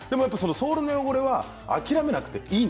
ソールの汚れは諦めなくていい。